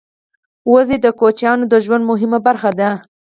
وزې د کوچیانو د ژوند مهمه برخه ده